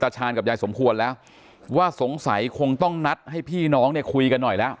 ชาญกับยายสมควรแล้วว่าสงสัยคงต้องนัดให้พี่น้องเนี่ยคุยกันหน่อยแล้ว